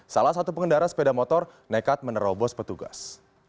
salah satu pengendara sepeda motor nekat menerobos petugas